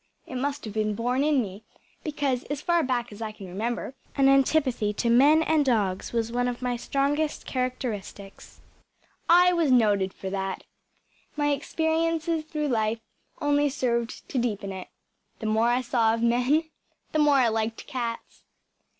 It must have been born in me, because, as far back as I can remember, an antipathy to men and dogs was one of my strongest characteristics. I was noted for that. My experiences through life only served to deepen it. The more I saw of men, the more I liked cats.